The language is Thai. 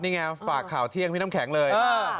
นี่ไงฝากข่าวเที่ยงพี่น้ำแข็งเลย